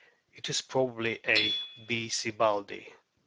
; it is probably a B. sibbaldii.